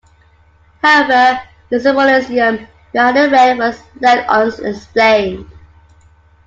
However, the symbolism behind the red was left unexplained.